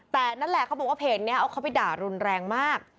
แต่นั่นแหละเขาบอกว่าเพจนี้เอาเขาไปด่ารุนแรงมาก